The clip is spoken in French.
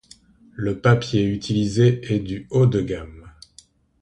Le papier utilisé est du haut de gamme.